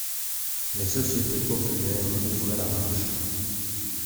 Les sociétés populaires ouvraient la marche.